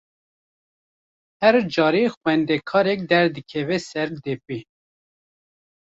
Her carê xwendekarek derdikeve ser depê.